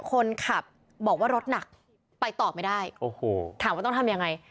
คนให้รฆ่าไปเนี่ยก็เลยบอกว่าเรารถหนักไปต่อไม่ได้ถามว่าต้องทำยังไง